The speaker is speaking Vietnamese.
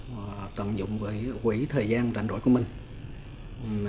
hoặc toàn dụng với các trường trung học phổ thông